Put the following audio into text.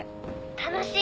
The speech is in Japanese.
楽しい！